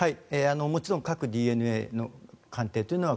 もちろん核ＤＮＡの鑑定というのは